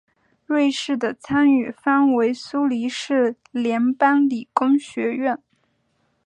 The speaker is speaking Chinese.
瑞士的参与方为苏黎世联邦理工学院。